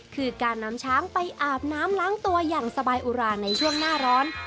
คือการนำช้างไปอาบน้ำล้างตัวอย่างสบายอุราในช่วงหน้าร้อน